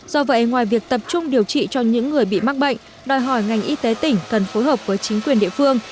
do vậy ngoài việc tập trung điều trị cho những người bị mắc bệnh đòi hỏi ngành y tế tỉnh cần phối hợp với chính quyền địa phương